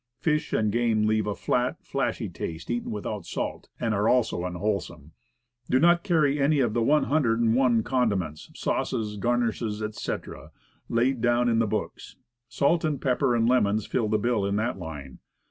Fish and game have a flat, flashy taste eaten without salt, and are also unwholesome. Do not carry any of the one hundred and one con diments, sauces, garnishes, etc., laid down in the books. Salt, pepper, and lemons* fill the bill in that line.